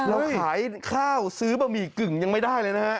เราขายข้าวซื้อบะหมี่กึ่งยังไม่ได้เลยนะฮะ